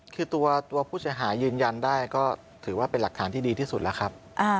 คือตัวผู้เสียหายยืนยันได้ก็ถือว่าเป็นหลักฐานที่ดีที่สุดแล้วครับ